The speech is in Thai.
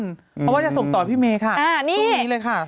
เพราะว่าจะส่งต่อพี่เมย์ค่ะตรงนี้เลยค่ะ